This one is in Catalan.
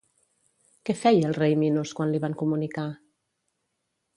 Què feia el rei Minos quan li van comunicar?